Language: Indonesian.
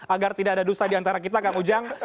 agar tidak ada dusa diantara kita kang ujang